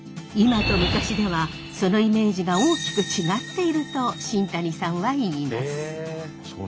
今と昔ではそのイメージが大きく違っていると新谷さんは言います。